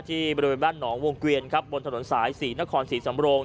บริเวณบ้านหนองวงเกวียนครับบนถนนสายศรีนครศรีสำโรง